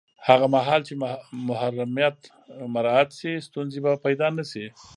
هغه مهال چې محرمیت مراعت شي، ستونزې به پیدا نه شي.